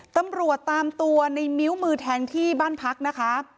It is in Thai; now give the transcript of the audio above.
ตำรวจตามตัวในมิ้วมือแทงที่บ้านพักนะคะ